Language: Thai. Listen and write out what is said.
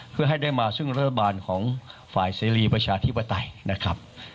เพื่อให้ได้มาซึ่งรัฐบาลของฝ่ายเสรีประชาธิปไตยนะครับ